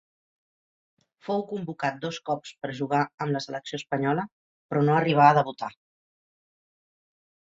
Fou convocat dos cops per jugar amb la selecció espanyola però no arribà a debutar.